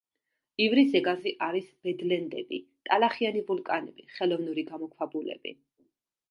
ივრის ზეგანზე არის ბედლენდები, ტალახიანი ვულკანები, ხელოვნური გამოქვაბულები.